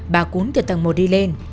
bà cún từ tầng một đi lên